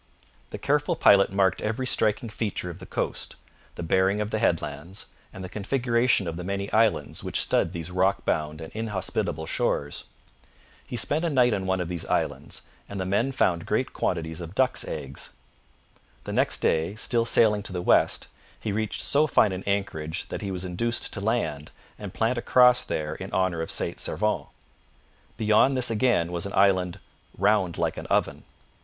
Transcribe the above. The careful pilot marked every striking feature of the coast, the bearing of the headlands and the configuration of the many islands which stud these rock bound and inhospitable shores. He spent a night on one of these islands, and the men found great quantities of ducks' eggs. The next day, still sailing to the west, he reached so fine an anchorage that he was induced to land and plant a cross there in honour of St Servan. Beyond this again was an island 'round like an oven.'